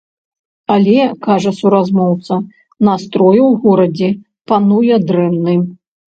Але, кажа суразмоўца, настрой у горадзе пануе дрэнны.